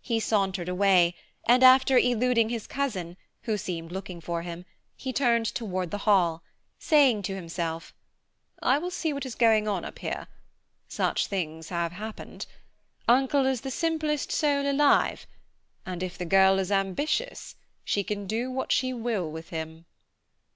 He sauntered away, and after eluding his cousin, who seemed looking for him, he turned toward the Hall, saying to himself, I will see what is going on up here. Such things have happened. Uncle is the simplest soul alive, and if the girl is ambitious, she can do what she will with him.